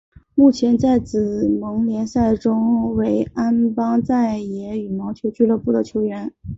目前在紫盟联赛中为安邦再也羽毛球俱乐部的球员。